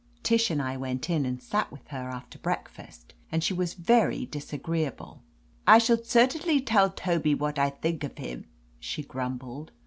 Tish and I went in and sat with her after breakfast, and she was very disagreeable. "I shall certaidly tell Tobby whad I thig of hib," she grumbled.